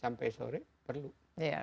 sampai sore perlu